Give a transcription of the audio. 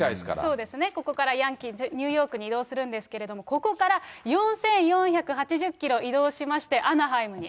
そうですね、ここからニューヨークに移動するんですけれども、ここから４４８０キロ移動しましてアナハイムに。